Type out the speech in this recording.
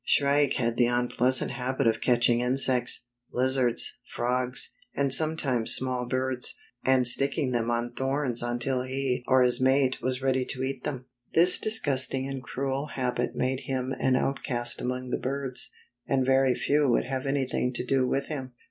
Shrike had the unpleasant habit of catching insects, lizards, frogs, and sometimes small birds, and sticking them on thorns until he or his mate was ready to eat them. This disgusting and cruel habit made him an outcast among the birds, and very few would have anything to do with him.